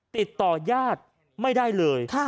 ติดต่อญาติไม่ได้เลย